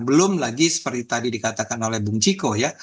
belum lagi seperti tadi dikatakan oleh bung ciko ya